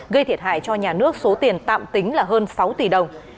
gây thiệt hại cho nhà nước số tiền tạm tính là hơn sáu tỷ đồng